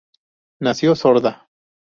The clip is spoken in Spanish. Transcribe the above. Nació sorda.